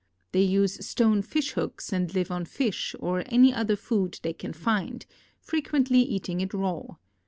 They use stone fish hooks and live on fish or any other food they can find, frequently eating it raw.